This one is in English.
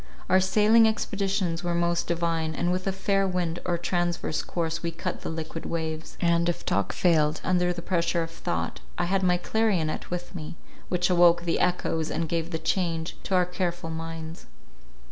Our sailing expeditions were most divine, and with a fair wind or transverse course we cut the liquid waves; and, if talk failed under the pressure of thought, I had my clarionet with me, which awoke the echoes, and gave the change to our careful minds.